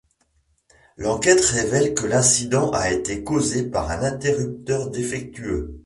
L'enquête révèle que l'incident a été causé par un interrupteur défectueux.